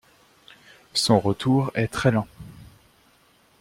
Son retour est très lent.